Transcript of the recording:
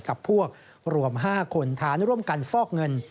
กับพวกรวม๕คนฐานร่วมกันฟอกเงิน